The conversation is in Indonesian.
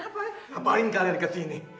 apaan kalian kesini